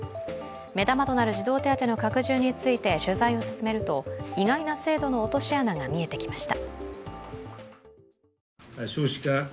目玉となる児童手当の拡充について取材を進めると意外な制度の落とし穴が見えてきました。